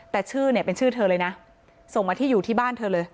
แต่ชื่อเนี่ยเป็นชื่อเธอเลยนะส่งมาที่อยู่ที่บ้านเธอเลย